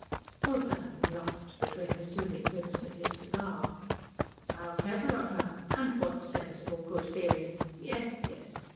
Lord Dunholm laughed between the soothing whiffs of his cigar. "How clever of her! And what sensible good feeling! Yes yes!